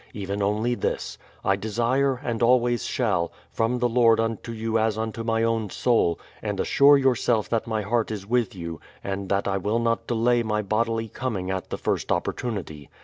Even only this; I desire, and always shall, from the Lord imto you as unto my own soul ; and assure yourself that my heart is with j'ou, and that I will not delay my bodily coming at the first opportunity.